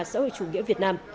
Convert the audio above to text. xã hội chủ nghĩa việt nam